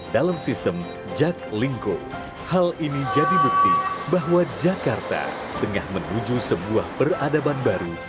dalam sistem jaklingko hal ini jadi bukti bahwa jakarta tengah menuju sebuah peradaban baru